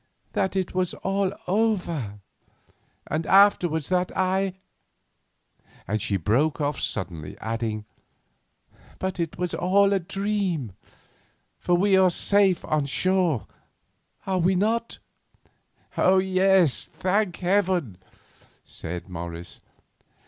"That it was all over; and afterwards, that I——" and she broke off suddenly, adding: "But it was all a dream, for we are safe on shore, are we not?" "Yes, thank Heaven!" said Morris.